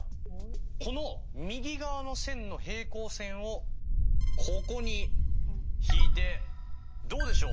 この右側の線の平行線をここに引いてどうでしょう？